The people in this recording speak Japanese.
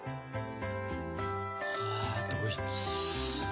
あドイツ。